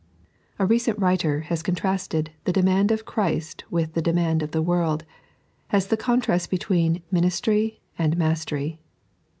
A recent writer has contrasted the demand of Ciirist with the demand of the world, as the contrast between ministry and mastery.